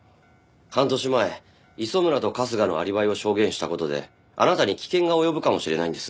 半年前磯村と春日のアリバイを証言した事であなたに危険が及ぶかもしれないんです。